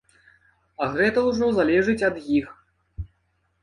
А гэта ўжо залежыць ад іх.